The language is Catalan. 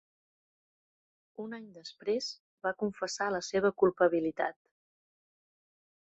Un any després va confessar la seva culpabilitat.